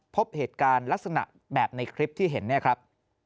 พบเหตุการณ์ลักษณะแบบในคลิปที่เห็นเนี่ยครับ